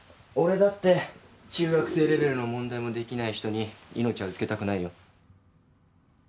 俺だって中学生レベルの問題もできない人に命預けたくないよ。